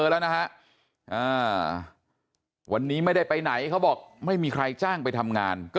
แล้วนะฮะวันนี้ไม่ได้ไปไหนเขาบอกไม่มีใครจ้างไปทำงานก็